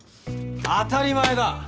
当たり前だ！